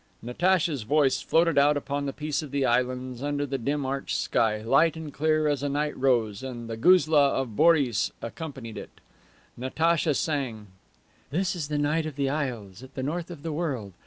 '" Natacha's voice floated out upon the peace of the islands under the dim arched sky, light and clear as a night rose, and the guzla of Boris accompanied it. Natacha sang: "This is the night of the Isles at the north of the world.